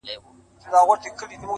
چي ستا له سونډو نه خندا وړي څوك،